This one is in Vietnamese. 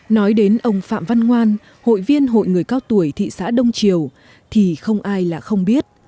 nói đến ông phạm văn ngoan hội viên hội người cao tuổi thị xã đông triều thì không ai là không biết